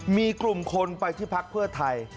มีกลุ่มคนไปที่พักเพื่อไทย